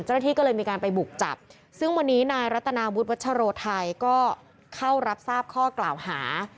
เจ้าหน้าที่ก็เลยมีการไปบุกจับซึ่งวันนี้นายรัตนาวุฒิวัชโรไทยก็เข้ารับทราบข้อกล่าวหา